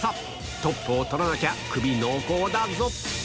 トップを取らなきゃ、クビ濃厚だぞ。